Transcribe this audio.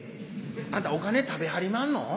あんたお金食べはりまんの？